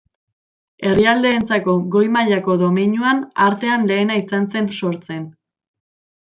Herrialdeentzako goi mailako domeinuan artean lehena izan zen sortzen.